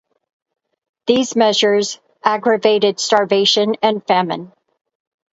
These measures aggravated starvation and famine.